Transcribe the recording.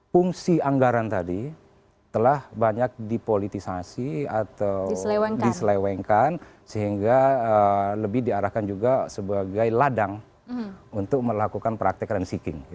fungsi anggaran tadi telah banyak dipolitisasi atau diselewengkan sehingga lebih diarahkan juga sebagai ladang untuk melakukan praktek ranseking